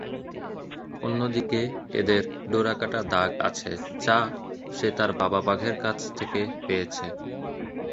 অন্যদিকে, এদের ডোরাকাটা দাগ আছে যা সে তার বাবা বাঘের কাছ থেকে পেয়েছে।